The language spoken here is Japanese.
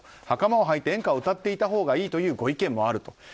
はかまをはいて演歌を歌っていたほうがいいというご意見もあると。